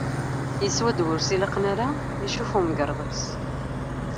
Yeswa ddwa ur s-ilaqen ara icuf umgarḍ-is.